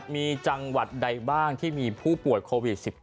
มีจังหวัดใดบ้างที่มีผู้ป่วยโควิด๑๙